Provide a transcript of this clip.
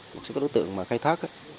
một số đối tượng mà khai thác